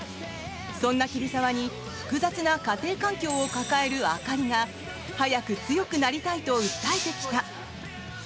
そんな桐沢に複雑な家庭環境を抱えるあかりが早く強くなりたいと訴えてきた。